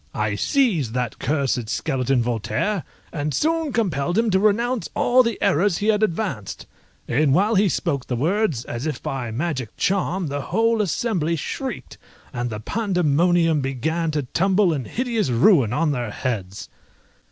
I seized that cursed skeleton Voltaire, and soon compelled him to renounce all the errors he had advanced; and while he spoke the words, as if by magic charm, the whole assembly shrieked, and the pandemonium began to tumble in hideous ruin on their heads.